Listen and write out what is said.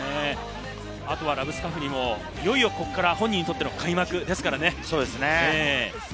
ラブスカフニもいよいよここから本人にとっての開幕ですからね。